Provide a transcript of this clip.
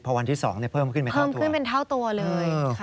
เพราะวันที่๒เนี่ยเพิ่มขึ้นเป็นเท่าตัวเลย